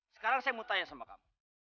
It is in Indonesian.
sekarang saya mau tanya sama kamu